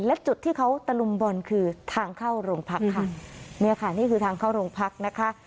และจุดที่เขาตะลุมบอลคือทางเข้าโรงพักค่ะเนี่ยค่ะนี่คือทางเข้าโรงพักนะคะ